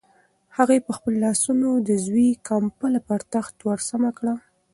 هغې په خپلو لاسو د زوی کمپله پر تخت ورسمه کړه.